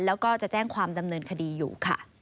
แล้วก็จะแจ้งความดำเนินคดีอยู่ค่ะ